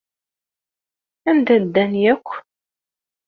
Anda ddan akk?